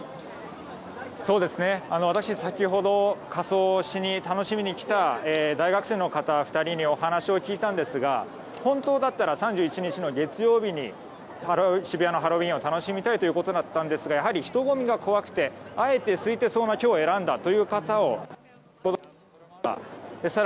私は先ほど仮装をしに楽しみに来た大学生の方２人にお話を聞いたんですが本当だったら３１日の月曜日に渋谷のハロウィーンを楽しみたいということでしたがやはり、人混みが怖くてあえて、すいていそうな今日を選んだという方がいました。